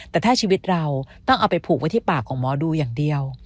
แต่ถ้าชีวิตเราต้องเอาไปผูกไว้ที่ปากของหมอดูอย่างเดียว